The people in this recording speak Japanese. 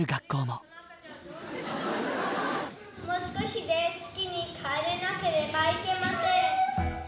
「もう少しで月に帰らなければいけません」。